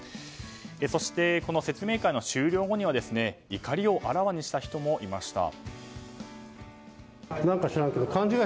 そして、この説明会の終了後には怒りをあらわにした人もいました。